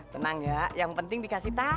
tenang ya yang penting dikasih tahu